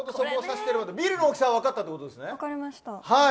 ビルの大きさは分かったということですね。